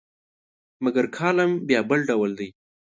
مګر کالم بیا بل ډول دی.